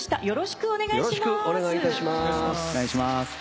よろしくお願いします。